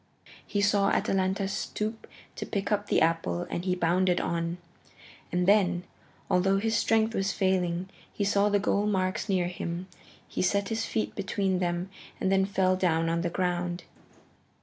He saw Atalanta stoop to pick up the apple, and he bounded on. And then, although his strength was failing, he saw the goal marks near him. He set his feet between them and then fell down on the ground.